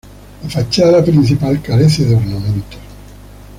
La fachada principal carece de ornamentos.